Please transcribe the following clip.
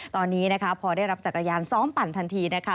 ตอนนี้นะคะพอได้รับจักรยานซ้อมปั่นทันทีนะคะ